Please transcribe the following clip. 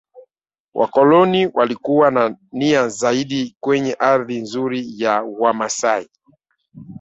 Wakoloni walikuwa na nia zaidi kenye ardhi nzuri ya wamasai